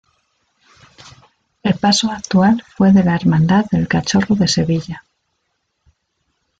El paso actual fue de la Hermandad del Cachorro de Sevilla.